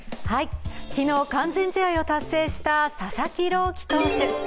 昨日、完全試合を達成した佐々木朗希投手。